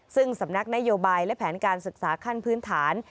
ซึ่งสำนักนโยบายและแผนการศึกษาขั้นพื้นฐาน